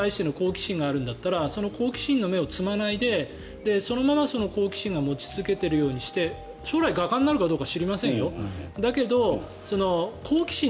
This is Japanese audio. もしかしたら、絵に対しての好奇心があるんだったらその好奇心の芽を摘まないでそのまま好奇心を持ち続けているようにして将来、画家になるか知りませんよ